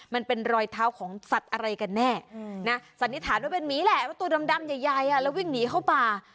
มันเป็นรอยเท้าของสัตว์อะไรกันแน่นะสันนิษฐานว่าเป็นหมีแหละว่าตัวดำใหญ่แล้ววิ่งหนีเข้าป่า